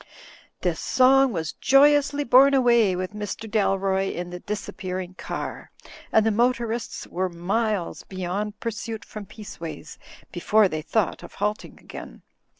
This song was joyously borne away with Mr. Dal roy in the disappearing car; and the motorists were miles beyond pursuit from Peaceways before they thought of halting again.